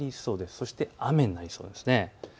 そして雨になりそうです。